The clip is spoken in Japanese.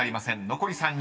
残り３人］